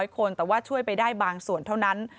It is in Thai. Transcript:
คนแต่ว่าช่วยไปได้บางส่วนเท่านั้น